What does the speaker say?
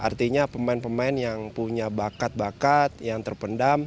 artinya pemain pemain yang punya bakat bakat yang terpendam